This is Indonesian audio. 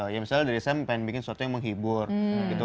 ya misalnya dari saya pengen bikin sesuatu yang menghibur gitu